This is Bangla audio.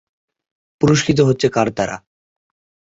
পুরস্কৃত হচ্ছে কার দ্বারা?